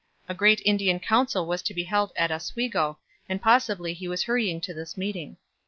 A great Indian council was to be held at Oswego, and possibly he was hurrying to this meeting.